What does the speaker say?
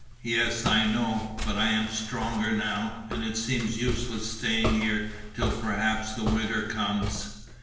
"Yes, I know, but I am stronger now, and it seems useless staying here till perhaps the winter comes."